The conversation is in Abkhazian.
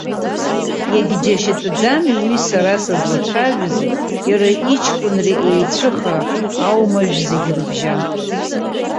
Иагьџьашьатәӡам уи, сара сызлацәажәози иара иҷкәынреи еицәыхаран, аумажә зегь рыбжьан.